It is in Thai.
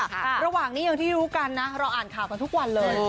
ค่ะเราหวังนี้อย่างที่อยู่กันน่ะรออ่านข่าวกันทุกวันเลย